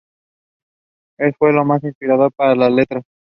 Eso fue lo que me inspiró para las letras".